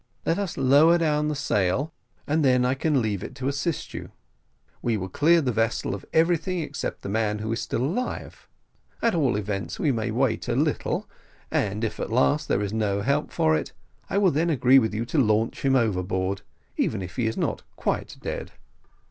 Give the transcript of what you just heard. Let us lower down the sail, and then I can leave the helm to assist you. We will clear the vessel of everything except the man who is still alive. At all events, we may wait a little, and if at last there is no help for it, I will then agree with you to launch him overboard, even if he is not quite dead."